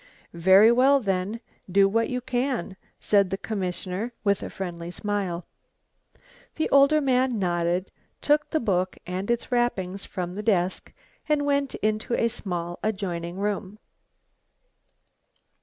"Very well, then, do what you can," said the commissioner with a friendly smile. The older man nodded, took the book and its wrappings from the desk, and went into a small adjoining room.